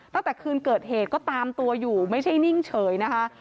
ตั้งแต่คืนเกิดเหตุก็ตามตัวอยู่ไม่ใช่นิ่งเฉยนะคะ